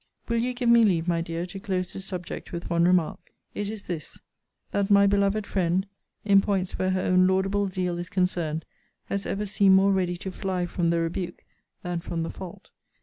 Will you give me leave, my dear, to close this subject with one remark? It is this: that my beloved friend, in points where her own laudable zeal is concerned, has ever seemed more ready to fly from the rebuke, than from the fault.